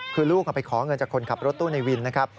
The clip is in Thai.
คือลูกไปขอเงินจากคนขับรถตู้ในวินนะครับ